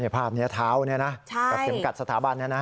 ภาพนี้เท้ากับเข็มกัดสถาบัน